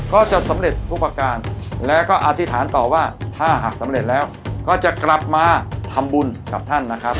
ก็จะสำเร็จทุกประการแล้วก็อธิษฐานต่อว่าถ้าหากสำเร็จแล้วก็จะกลับมาทำบุญกับท่านนะครับ